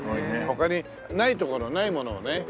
他にないところないものをね。